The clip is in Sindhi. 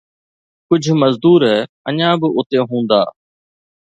ڪجهه مزدور اڃا به اتي هوندا